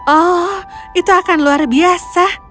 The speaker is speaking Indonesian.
oh itu akan luar biasa